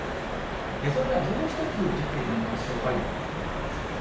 それではもう一つ、見てみましょう。